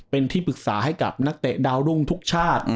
เป็นที่ปรึกษาให้กับนักเตะดาวรุ่งทุกชาติ